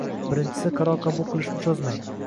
Birinchisi, qaror qabul qilishni cho‘zmang.